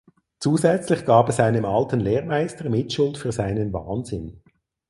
Zusätzlich gab er seinem alten Lehrmeister Mitschuld für seinen Wahnsinn.